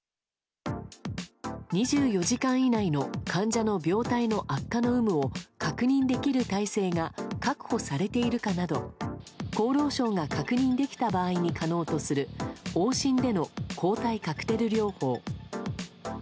２４時間以内の患者の病態の悪化の有無を確認できる体制が確保されているかなど厚労省が確認できた場合に可能とする往診での抗体カクテル療法。